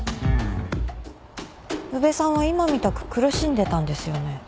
宇部さんは今みたく苦しんでたんですよね。